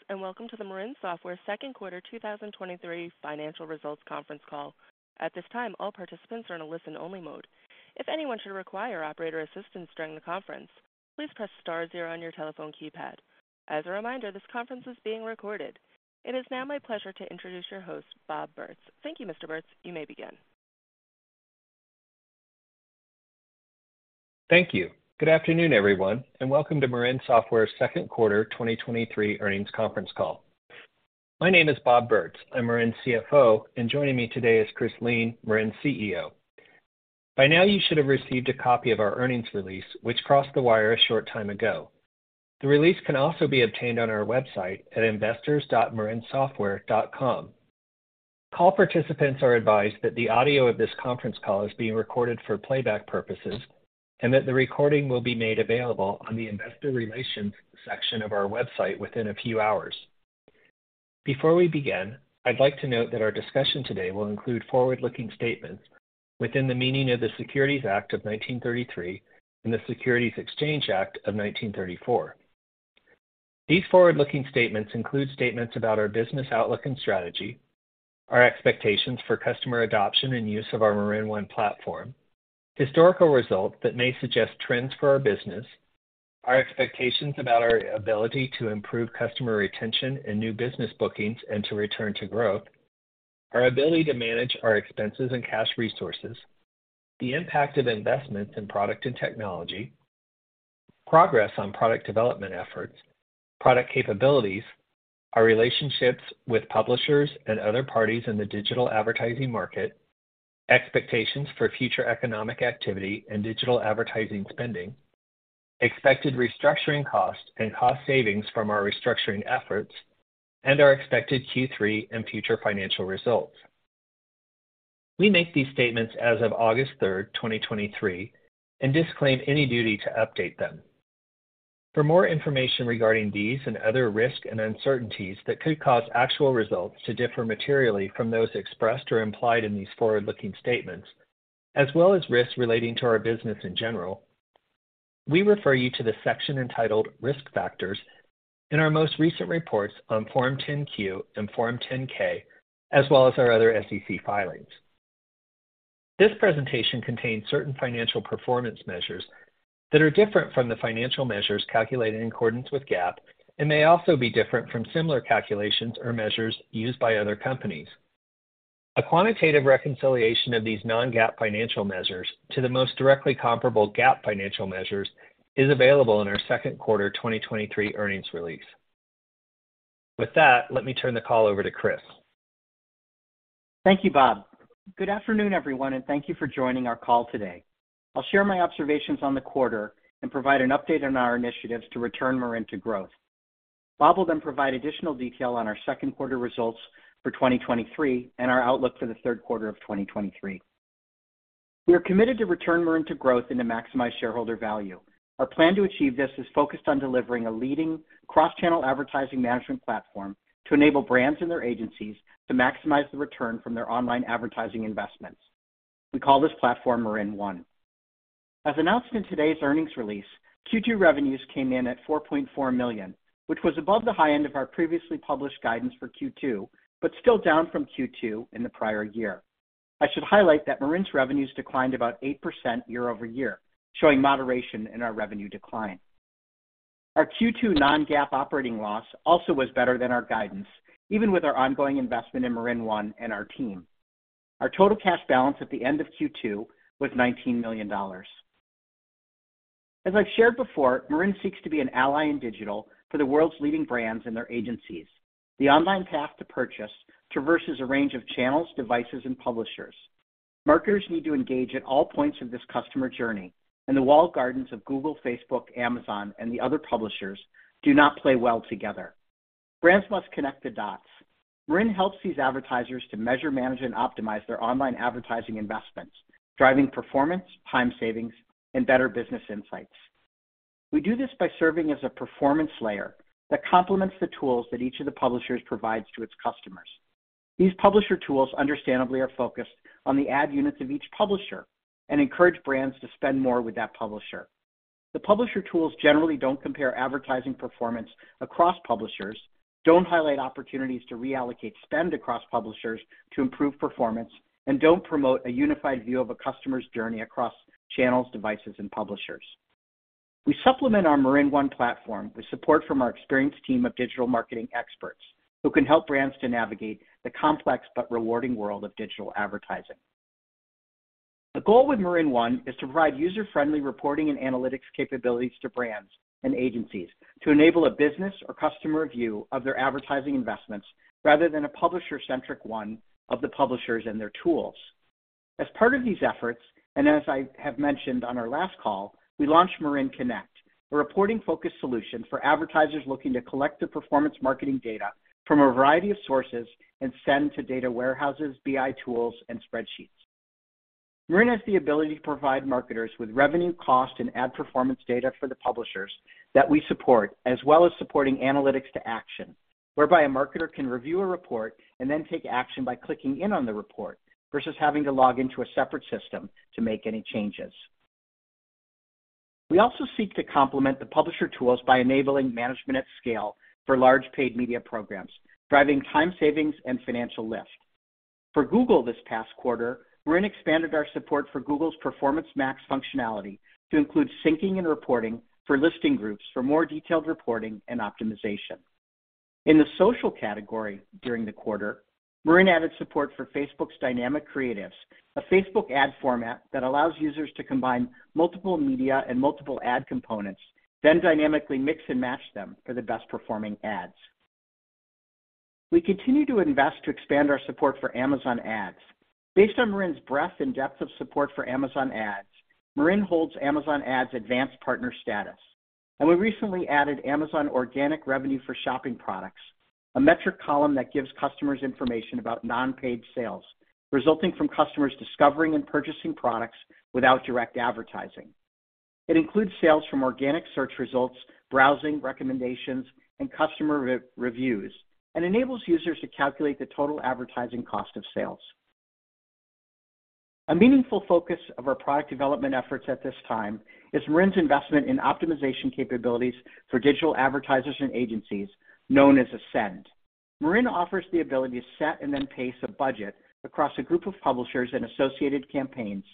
Greetings, and welcome to the Marin Software 2nd quarter 2023 financial results conference call. At this time, all participants are in a listen-only mode. If anyone should require operator assistance during the conference, please press star zero on your telephone keypad. As a reminder, this conference is being recorded. It is now my pleasure to introduce your host, Bob Bertz. Thank you, Mr. Bertz.You may begin. Thank you. Good afternoon, everyone, and welcome to Marin Software's second quarter 2023 earnings conference call. My name is Bob Bertz, I'm Marin's CFO, and joining me today is Chris Lien, Marin's CEO. By now, you should have received a copy of our earnings release, which crossed the wire a short time ago. The release can also be obtained on our website at investors.marinsoftware.com. Call participants are advised that the audio of this conference call is being recorded for playback purposes, and that the recording will be made available on the investor relations section of our website within a few hours. Before we begin, I'd like to note that our discussion today will include forward-looking statements within the meaning of the Securities Act of 1933 and the Securities Exchange Act of 1934. These forward-looking statements include statements about our business outlook and strategy, our expectations for customer adoption and use of our MarinOne platform, historical results that may suggest trends for our business, our expectations about our ability to improve customer retention and new business bookings, and to return to growth, our ability to manage our expenses and cash resources, the impact of investments in product and technology, progress on product development efforts, product capabilities, our relationships with publishers and other parties in the digital advertising market, expectations for future economic activity and digital advertising spending, expected restructuring costs and cost savings from our restructuring efforts, and our expected Q3 and future financial results. We make these statements as of August 3, 2023, and disclaim any duty to update them. For more information regarding these and other risks and uncertainties that could cause actual results to differ materially from those expressed or implied in these forward-looking statements, as well as risks relating to our business in general, we refer you to the section entitled Risk Factors in our most recent reports on Form 10-Q and Form 10-K, as well as our other SEC filings. This presentation contains certain financial performance measures that are different from the financial measures calculated in accordance with GAAP and may also be different from similar calculations or measures used by other companies. A quantitative reconciliation of these non-GAAP financial measures to the most directly comparable GAAP financial measures is available in our second quarter 2023 earnings release. With that, let me turn the call over to Chris. Thank you, Bob. Good afternoon, everyone, and thank you for joining our call today. I'll share my observations on the quarter and provide an update on our initiatives to return Marin to growth. Bob will then provide additional detail on our second quarter results for 2023 and our outlook for the third quarter of 2023. We are committed to return Marin to growth and to maximize shareholder value. Our plan to achieve this is focused on delivering a leading cross-channel advertising management platform to enable brands and their agencies to maximize the return from their online advertising investments. We call this platform MarinOne. As announced in today's earnings release, Q2 revenues came in at $4.4 million, which was above the high end of our previously published guidance for Q2, but still down from Q2 in the prior year. I should highlight that Marin's revenues declined about 8% year-over-year, showing moderation in our revenue decline. Our Q2 non-GAAP operating loss also was better than our guidance, even with our ongoing investment in MarinOne and our team. Our total cash balance at the end of Q2 was $19 million. As I've shared before, Marin seeks to be an ally in digital for the world's leading brands and their agencies. The online path to purchase traverses a range of channels, devices, and publishers. Marketers need to engage at all points of this customer journey, and the walled gardens of Google, Facebook, Amazon, and the other publishers do not play well together. Brands must connect the dots. Marin helps these advertisers to measure, manage, and optimize their online advertising investments, driving performance, time savings, and better business insights. We do this by serving as a performance layer that complements the tools that each of the publishers provides to its customers. These publisher tools understandably are focused on the ad units of each publisher and encourage brands to spend more with that publisher. The publisher tools generally don't compare advertising performance across publishers, don't highlight opportunities to reallocate spend across publishers to improve performance, and don't promote a unified view of a customer's journey across channels, devices, and publishers. We supplement our MarinOne platform with support from our experienced team of digital marketing experts, who can help brands to navigate the complex but rewarding world of digital advertising. The goal with MarinOne is to provide user-friendly reporting and analytics capabilities to brands and agencies to enable a business or customer view of their advertising investments, rather than a publisher-centric one of the publishers and their tools. As part of these efforts, and as I have mentioned on our last call, we launched MarinConnect, a reporting-focused solution for advertisers looking to collect the performance marketing data from a variety of sources and send to data warehouses, BI tools, and spreadsheets. Marin has the ability to provide marketers with revenue, cost, and ad performance data for the publishers that we support, as well as supporting Analytics-to-Action, whereby a marketer can review a report and then take action by clicking in on the report versus having to log into a separate system to make any changes. We also seek to complement the publisher tools by enabling management at scale for large paid media programs, driving time savings and financial lift. For Google this past quarter, Marin expanded our support for Google's Performance Max functionality to include syncing and reporting for Listing Groups for more detailed reporting and optimization. In the social category, during the quarter, Marin added support for Facebook's Dynamic Creative, a Facebook ad format that allows users to combine multiple media and multiple ad components, then dynamically mix and match them for the best-performing ads. We continue to invest to expand our support for Amazon Ads. Based on Marin's breadth and depth of support for Amazon Ads, Marin holds Amazon Ads advanced partner status, and we recently added Amazon organic revenue for shopping products, a metric column that gives customers information about non-paid sales, resulting from customers discovering and purchasing products without direct advertising. It includes sales from organic search results, browsing, recommendations, and customer reviews, and enables users to calculate the total advertising cost of sales. A meaningful focus of our product development efforts at this time is Marin's investment in optimization capabilities for digital advertisers and agencies, known as Ascend. Marin offers the ability to set and then pace a budget across a group of publishers and associated campaigns,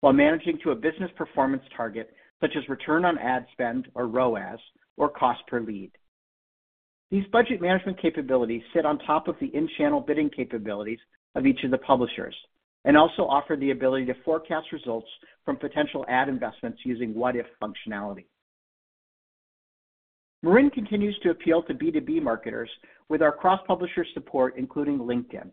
while managing to a business performance target such as return on ad spend, or ROAS, or cost per lead. These budget management capabilities sit on top of the in-channel bidding capabilities of each of the publishers and also offer the ability to forecast results from potential ad investments using what-if functionality. Marin continues to appeal to B2B marketers with our cross-publisher support, including LinkedIn.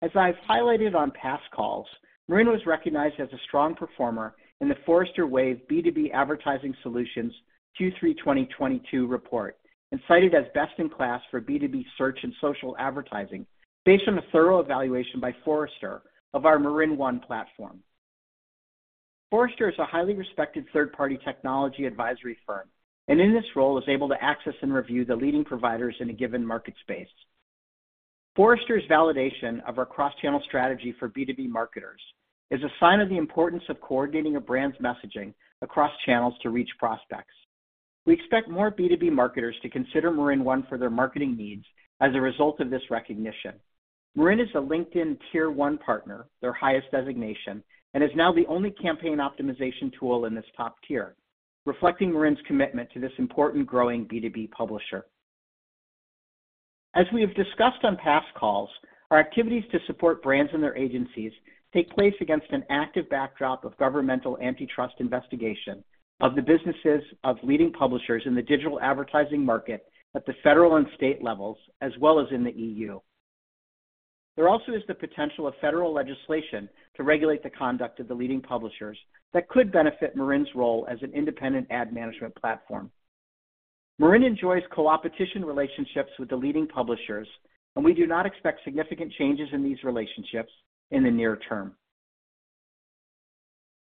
As I've highlighted on past calls, Marin was recognized as a strong performer in the Forrester Wave B2B Advertising Solutions Q3 2022 report, and cited as best-in-class for B2B search and social advertising, based on a thorough evaluation by Forrester of our MarinOne platform. Forrester is a highly respected third-party technology advisory firm, and in this role is able to access and review the leading providers in a given market space. Forrester's validation of our cross-channel strategy for B2B marketers is a sign of the importance of coordinating a brand's messaging across channels to reach prospects. We expect more B2B marketers to consider MarinOne for their marketing needs as a result of this recognition. Marin is a LinkedIn Tier One partner, their highest designation, and is now the only campaign optimization tool in this top tier, reflecting Marin's commitment to this important growing B2B publisher. As we have discussed on past calls, our activities to support brands and their agencies take place against an active backdrop of governmental antitrust investigation of the businesses of leading publishers in the digital advertising market at the federal and state levels, as well as in the EU. There also is the potential of federal legislation to regulate the conduct of the leading publishers that could benefit Marin's role as an independent ad management platform. Marin enjoys coopetition relationships with the leading publishers, and we do not expect significant changes in these relationships in the near term.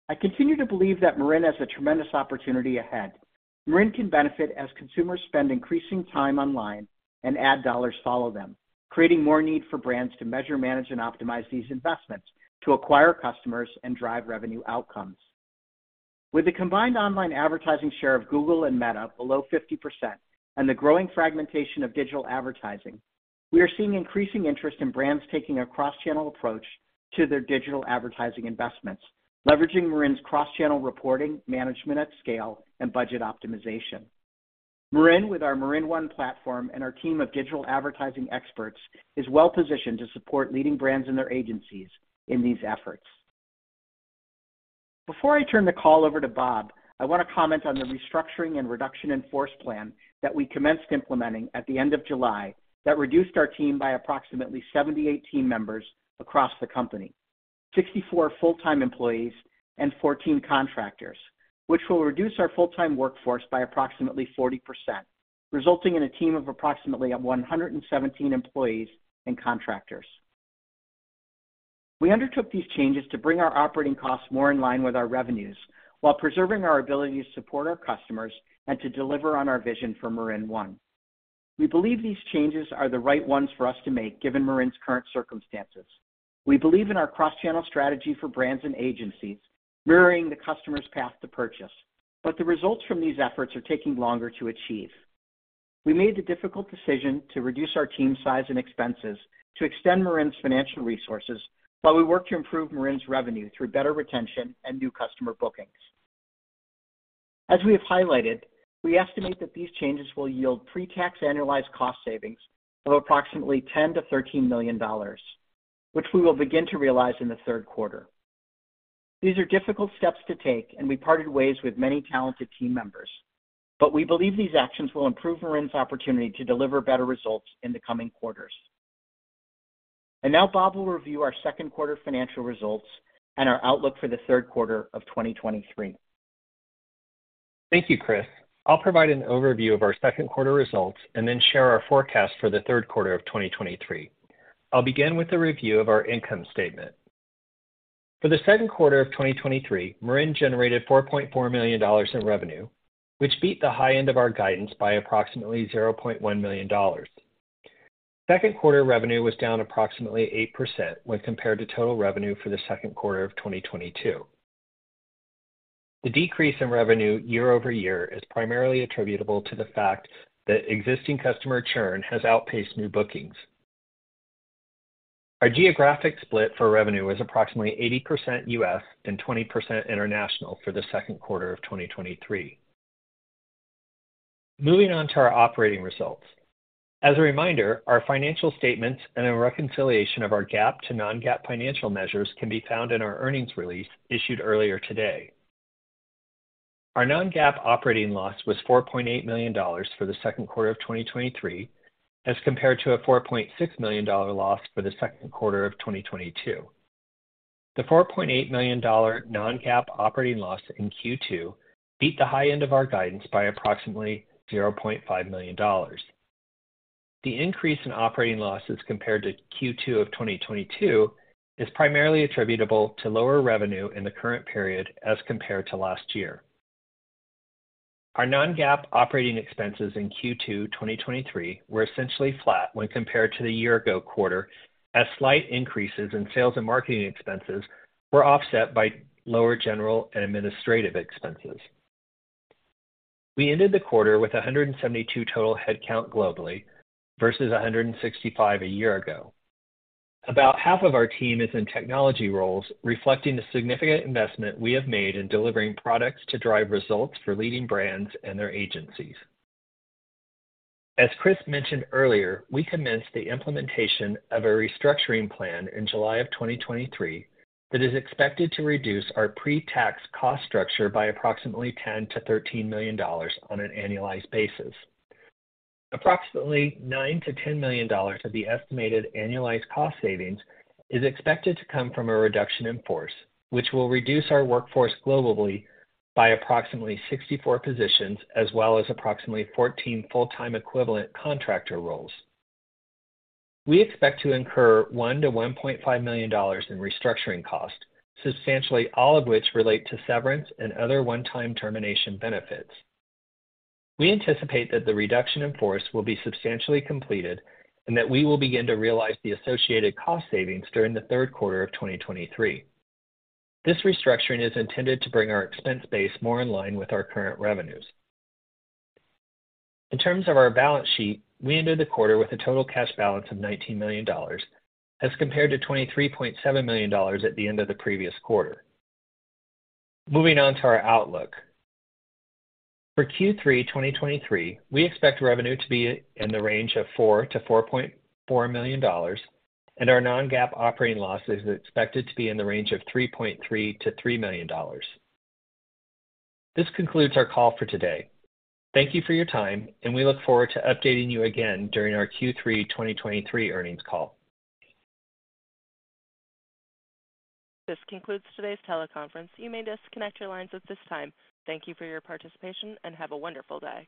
I continue to believe that Marin has a tremendous opportunity ahead. Marin can benefit as consumers spend increasing time online and ad dollars follow them, creating more need for brands to measure, manage, and optimize these investments to acquire customers and drive revenue outcomes. With the combined online advertising share of Google and Meta below 50% and the growing fragmentation of digital advertising, we are seeing increasing interest in brands taking a cross-channel approach to their digital advertising investments, leveraging Marin's cross-channel reporting, management at scale, and budget optimization. Marin, with our MarinOne platform and our team of digital advertising experts, is well positioned to support leading brands and their agencies in these efforts. Before I turn the call over to Bob, I want to comment on the restructuring and reduction in force plan that we commenced implementing at the end of July that reduced our team by approximately 78 team members across the company, 64 full-time employees and 14 contractors, which will reduce our full-time workforce by approximately 40%, resulting in a team of approximately 117 employees and contractors. We undertook these changes to bring our operating costs more in line with our revenues, while preserving our ability to support our customers and to deliver on our vision for MarinOne. We believe these changes are the right ones for us to make, given Marin's current circumstances. We believe in our cross-channel strategy for brands and agencies, mirroring the customer's path to purchase, but the results from these efforts are taking longer to achieve. We made the difficult decision to reduce our team size and expenses to extend Marin's financial resources while we work to improve Marin's revenue through better retention and new customer bookings. As we have highlighted, we estimate that these changes will yield pre-tax annualized cost savings of approximately $10 million-$13 million, which we will begin to realize in the third quarter. These are difficult steps to take. We parted ways with many talented team members, but we believe these actions will improve Marin's opportunity to deliver better results in the coming quarters. Now Bob will review our second quarter financial results and our outlook for the third quarter of 2023. Thank you, Chris. I'll provide an overview of our second quarter results and then share our forecast for the third quarter of 2023. I'll begin with a review of our income statement. For the second quarter of 2023, Marin generated $4.4 million in revenue, which beat the high end of our guidance by approximately $0.1 million. Second quarter revenue was down approximately 8% when compared to total revenue for the second quarter of 2022. The decrease in revenue year-over-year is primarily attributable to the fact that existing customer churn has outpaced new bookings. Our geographic split for revenue is approximately 80% US and 20% international for the second quarter of 2023. Moving on to our operating results. As a reminder, our financial statements and a reconciliation of our GAAP to non-GAAP financial measures can be found in our earnings release issued earlier today. Our non-GAAP operating loss was $4.8 million for the second quarter of 2023, as compared to a $4.6 million loss for the second quarter of 2022. The $4.8 million non-GAAP operating loss in Q2 beat the high end of our guidance by approximately $0.5 million. The increase in operating losses compared to Q2 of 2022 is primarily attributable to lower revenue in the current period as compared to last year. Our non-GAAP operating expenses in Q2 2023 were essentially flat when compared to the year ago quarter, as slight increases in sales and marketing expenses were offset by lower general and administrative expenses. We ended the quarter with 172 total headcount globally versus 165 a year ago. About half of our team is in technology roles, reflecting the significant investment we have made in delivering products to drive results for leading brands and their agencies. As Chris mentioned earlier, we commenced the implementation of a restructuring plan in July of 2023, that is expected to reduce our pre-tax cost structure by approximately $10 million-$13 million on an annualized basis. Approximately $9 million-$10 million of the estimated annualized cost savings is expected to come from a reduction in force, which will reduce our workforce globally by approximately 64 positions, as well as approximately 14 full-time equivalent contractor roles. We expect to incur $1 million-$1.5 million in restructuring costs, substantially all of which relate to severance and other one-time termination benefits. We anticipate that the reduction in force will be substantially completed and that we will begin to realize the associated cost savings during the third quarter of 2023. This restructuring is intended to bring our expense base more in line with our current revenues. In terms of our balance sheet, we ended the quarter with a total cash balance of $19 million, as compared to $23.7 million at the end of the previous quarter. Moving on to our outlook. For Q3 2023, we expect revenue to be in the range of $4 million-$4.4 million, and our non-GAAP operating loss is expected to be in the range of $3.3 million-$3 million. This concludes our call for today. Thank Thank you for your time. We look forward to updating you again during our Q3 2023 earnings call. This concludes today's teleconference. You may disconnect your lines at this time. Thank you for your participation, and have a wonderful day.